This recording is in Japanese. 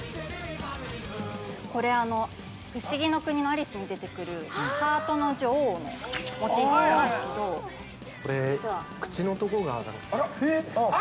◆これ、「不思議の国のアリス」に出てくるハートの女王のモチーフなんですけど◆これ、口のとこが。